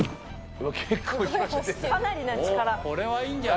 かなりな力。